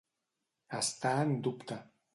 Estar en dubte.